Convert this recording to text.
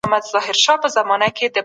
دولت به په مخابراتو کي پانګونه وکړي.